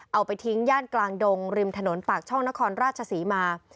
เอาไปทิ้งย่านกลางดงริมถนนปากช่องนครราชศรีมา